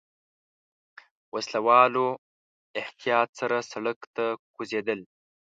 وسله والو احتياط سره سړک ته کوزېدل.